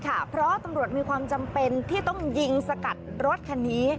แต่ตำรวจค่ะเพราะตำรวจมีความจำเป็นที่ต้องยิงสกัดรถคันนี้